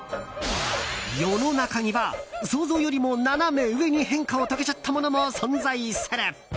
世の中には想像よりもナナメ上に変化を遂げちゃったものも存在する。